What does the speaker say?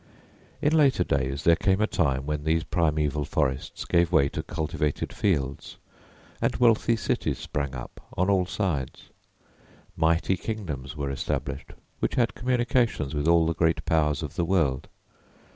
In later days there came a time when these primeval forests gave way to cultivated fields, and wealthy cities sprang up on all sides. Mighty kingdoms were established, which had communications with all the great powers of the world.